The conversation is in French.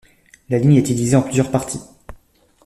La ligne a été divisée en plusieurs parties.